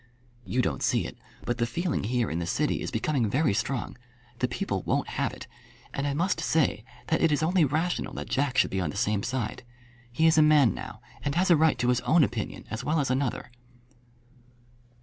You don't see it; but the feeling here in the city is becoming very strong. The people won't have it; and I must say that it is only rational that Jack should be on the same side. He is a man now, and has a right to his own opinion as well as another."